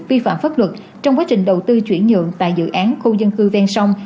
vi phạm pháp luật trong quá trình đầu tư chuyển nhượng tại dự án khu dân cư ven sông